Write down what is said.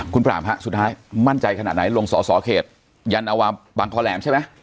คุณพร้อมสุดท้ายมั่นใจขนาดไหนลงสอสอเขตอยันวัฒน์ปังโขแหลมใช่ไหม